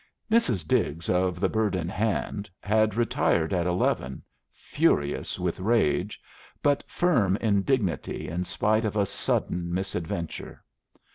Mrs. Diggs of the Bird in Hand had retired at eleven, furious with rage, but firm in dignity in spite of a sudden misadventure.